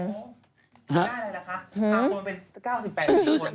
ถ้าได้อะไรล่ะคะถามคนเป็น๙๘คน